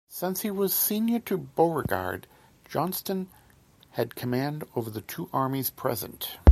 Since he was senior to Beauregard, Johnston had command over the two armies present.